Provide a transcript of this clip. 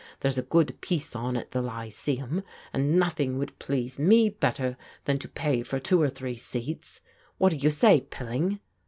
There's a good piece on at the Lyceum and nothing would please me better than jto pay for two or three seats. What do you say, Pilling?"